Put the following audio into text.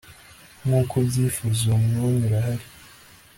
nk uko ubyifuza uwo mwanya urahari